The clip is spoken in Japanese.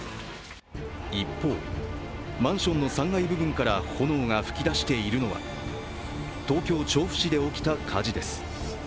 一方、マンションの３階部分から炎が噴き出しているのは東京・調布市で起きた火事です。